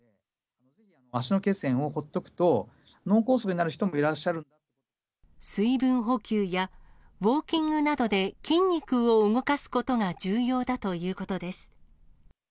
足の血栓を放っておくと、水分補給や、ウォーキングなどで筋肉を動かすことが重要だということです。